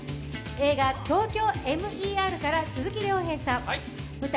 映画「ＴＯＫＹＯＭＥＲ」から鈴木亮平さん舞台